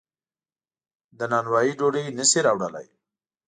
له نانوایۍ ډوډۍ نشي راوړلی.